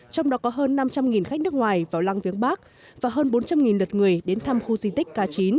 trong đó có hơn năm trăm linh khách nước ngoài vào lăng viếng bắc và hơn bốn trăm linh lượt người đến thăm khu di tích k chín